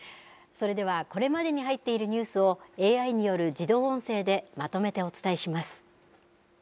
それではこれまでに入っているニュースをＡＩによる自動音声でまとめてお伝えします。